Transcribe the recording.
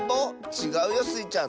ちがうよスイちゃん